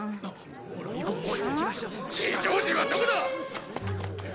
地上人はどこだ！